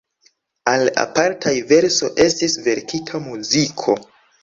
Al apartaj verso estis verkita muziko.